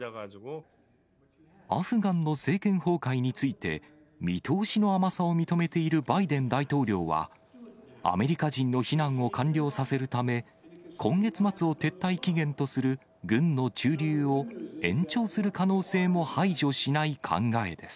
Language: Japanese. アフガンの政権崩壊について、見通しの甘さを認めているバイデン大統領は、アメリカ人の避難を完了させるため、今月末を撤退期限とする軍の駐留を、延長する可能性も排除しない考えです。